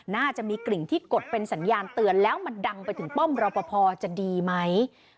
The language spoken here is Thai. น่าจะมีกลิ่นที่กดเป็นสัญญาณเตือนแล้วมันดังไปถึงป้อมรอปภจะดีไหม